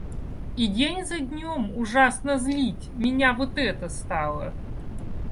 И день за днем ужасно злить меня вот это стало.